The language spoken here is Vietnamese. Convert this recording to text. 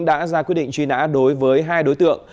đã ra quyết định truy nã đối với hai đối tượng